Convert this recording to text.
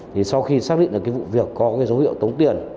thì sau khi xác định là cái vụ việc có cái dấu hiệu tốn tiền